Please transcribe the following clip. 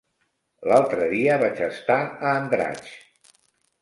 L'altre dia vaig estar a Andratx.